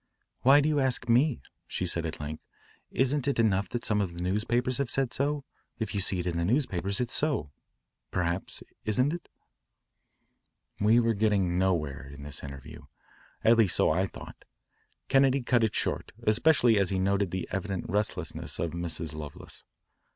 "Why do you ask me?" she said at length. "Isn't it enough that some of the newspapers have said so? If you see it in the newspapers, it's so perhaps isn't it?" We were getting nowhere in this interview, at least so I thought. Kennedy cut it short, especially as he noted the evident restlessness of Mrs. Lovelace.